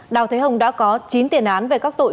đào thế hồng đã có chín tiền án về các tội